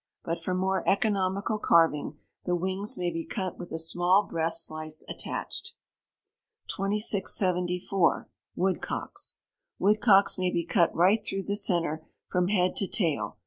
But for more economical carving, the wings may be cut with a small breast slice attached. 2674. Woodcocks. Woodcocks may be cut right through the centre, from head to tail.